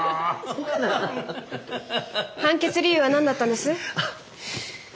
判決理由は何だったんです？